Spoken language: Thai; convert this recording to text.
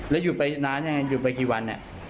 แล้วอยู่ไปนานยังไงอยู่ไปกี่วัน